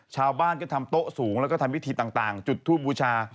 ชาวบ้านก็ทำโต๊ะสูงแล้วก็ทำวิธีต่างจุดทูบบูชา